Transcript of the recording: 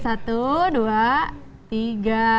satu dua tiga